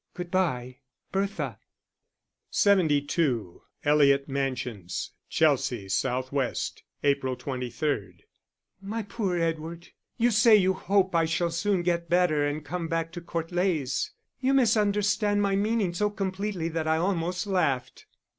Good bye._ BERTHA. 72 Eliot Mansions, Chelsea, S.W. April 23. _My poor Edward, You say you hope I shall soon get better and come back to Court Leys. You misunderstand my meaning so completely that I almost laughed.